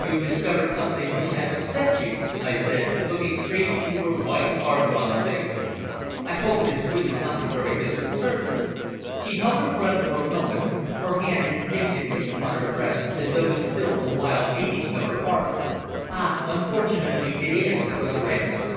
"You have discovered something which has upset you?" I said, looking straight into her white, hard drawn face. "I hope it is really nothing very disconcerting?" She held her breath for a moment, her hand instinctively upon her breast as though to still the wild beating of her heart. "Ah! unfortunately it is," was her answer.